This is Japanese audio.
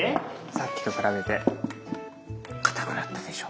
さっきとくらべてかたくなったでしょ。